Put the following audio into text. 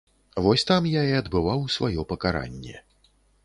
Вось там я і адбываў сваё пакаранне.